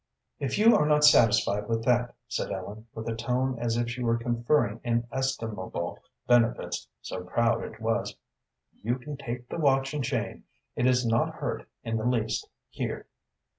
"If you are not satisfied with that," said Ellen, with a tone as if she were conferring inestimable benefits, so proud it was, "you can take the watch and chain. It is not hurt in the least. Here."